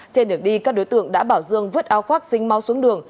trên đường đi các đối tượng đã bảo dương vứt áo khoác sinh mau xuống đường